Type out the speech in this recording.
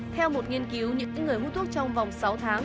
theo một nghiên cứu những người hút thuốc trong vòng sáu tháng